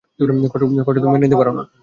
কষ্ট তুমি মেনে নিতে পারো না।